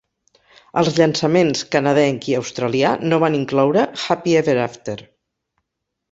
Els llançaments canadenc i australià no van incloure "Happy Ever After".